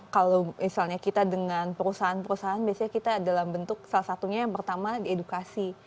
kalau misalnya kita dengan perusahaan perusahaan biasanya kita dalam bentuk salah satunya yang pertama diedukasi